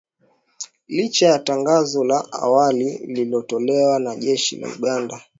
Licha ya tangazo la awali lililotolewa na jeshi la Uganda